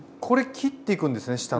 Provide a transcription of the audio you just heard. これ切っていくんですね